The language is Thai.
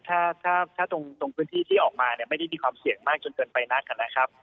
ถ้าถ้าตรงพื้นที่ที่ออกมาเนี่ยไม่ได้มีความเสี่ยงมากจนเกินไปนักนะครับ